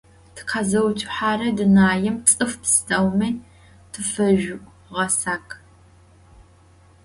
Tıkhezıutsuhere dunaim ts'ıf psteumi tıfezjüğesakh.